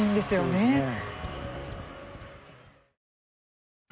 そうですね。